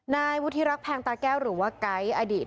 นายวุฒิรักแพงตาแก้วหรือว่าไก๊อดีต